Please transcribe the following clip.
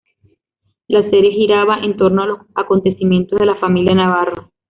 La serie giraba en torno a los acontecimientos de la familia Navarro.